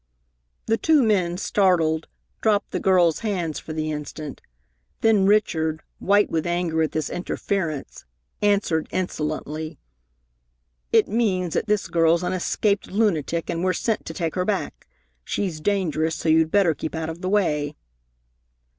The two men, startled, dropped the girl's hands for the instant. Then Richard, white with anger at this interference, answered insolently: "It means that this girl's an escaped lunatic, and we're sent to take her back. She's dangerous, so you'd better keep out of the way."